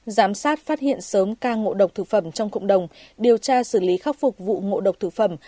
giám sát phát hiện sớm ca ngộ độc thực phẩm trong cộng đồng điều tra xử lý khắc phục vụ ngộ độc thực phẩm